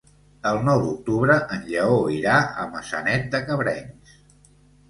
El nou d'octubre en Lleó irà a Maçanet de Cabrenys.